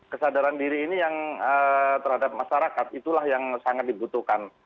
kesadaran diri ini yang terhadap masyarakat itulah yang sangat dibutuhkan